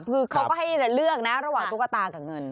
คือเขาก็ให้เลือกนะระหว่างตุ๊กตากับเงิน